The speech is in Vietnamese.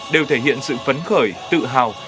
đều thể hiện sự phấn khởi tự hào